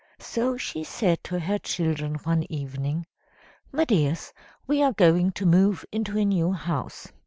So she said to her children one evening "'My dears, we are going to move into a new house.'